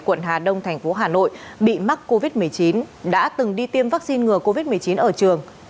quận hà đông thành phố hà nội bị mắc covid một mươi chín đã từng đi tiêm vaccine ngừa covid một mươi chín ở trường